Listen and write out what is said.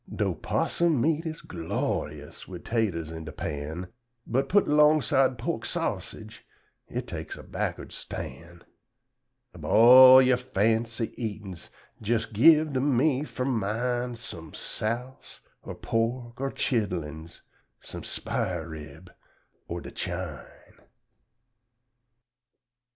'Dough 'possum meat is glo'yus wid 'taters in de pan, But put 'longside pork sassage it takes a backward stan'; Ub all yer fancy eatin's, jes gib to me fur mine Sum souse or pork or chidlins, sum sphar rib, or de chine.